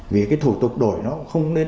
vì cái thủ tục đổi nó không nên